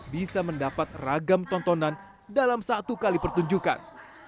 bisa mendapat ragam tontonan dalam satu kali pertunjukan